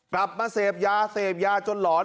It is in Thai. กลับมาเสพยาเสพยาจนหลอน